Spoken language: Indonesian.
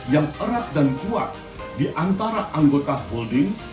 yang erat dan kuat di antara anggota holding